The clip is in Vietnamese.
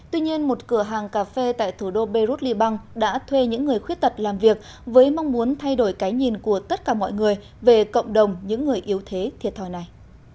tuy nhiên một cửa hàng cà phê tại thủ đô beirut liban đã thuê những người khuyết tật làm việc với mong muốn thay đổi cái nhìn của tất cả mọi người về cộng đồng những người yếu thế thiệt thòi này